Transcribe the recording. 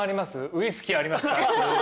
ウィスキーありますか？」